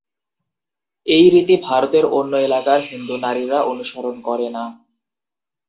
এই রীতি ভারতের অন্য এলাকার হিন্দু নারীরা অনুসরণ করে না।